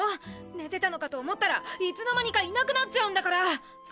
寝てたのかと思ったらいつの間にかいなくなっちゃうんだから！